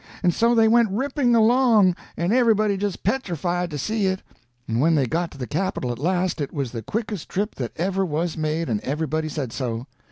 And so they went ripping along, and everybody just petrified to see it; and when they got to the Capitol at last it was the quickest trip that ever was made, and everybody said so.